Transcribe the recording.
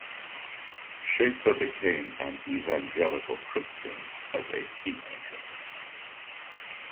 Schaeffer became an evangelical Christian as a teenager.